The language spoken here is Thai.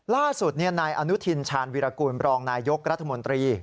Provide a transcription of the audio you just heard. ล่าสุดนายอนุทินชาญวิรากูลบรองนายยกรัฐมนตรี